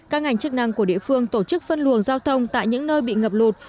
các ngành chức năng của địa phương tổ chức phân luồng giao thông tại những nơi bị ngập lụt